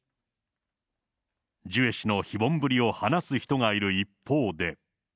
ジュエ氏の非凡ぶりを話す人がいる一方で。